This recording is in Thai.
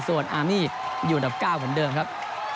ส่วนอาร์มี่อยู่อันดับ๙เหมือนเดิมครับ